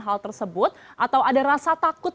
hal tersebut atau ada rasa takut